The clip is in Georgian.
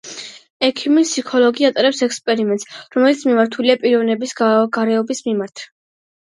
ექიმი ფსიქოლოგი ატარებს ექსპერიმენტს, რომელიც მიმართულია პიროვნების გაორების მიმართ.